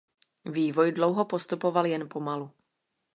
Vývoj dlouho postupoval jen pomalu.